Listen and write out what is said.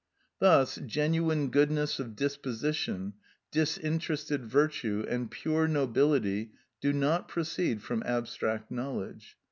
Thus genuine goodness of disposition, disinterested virtue, and pure nobility do not proceed from abstract knowledge.